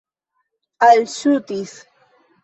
alŝutis